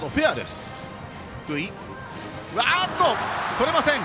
とれません！